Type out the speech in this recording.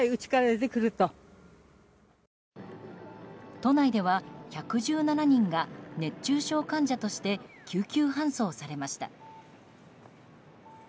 都内では１１７人が熱中症患者として救急搬送されました。